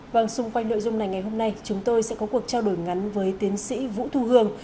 vâng xung quanh nội dung này ngày hôm nay chúng tôi sẽ có cuộc trao đổi ngắn với tiến sĩ vũ thu hương